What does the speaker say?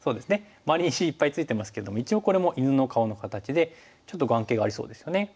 周りに石いっぱいついてますけども一応これも犬の顔の形でちょっと眼形がありそうですよね。